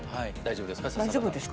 大丈夫ですかね？